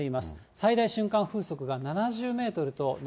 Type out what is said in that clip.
最大瞬間風速が７０メートルとな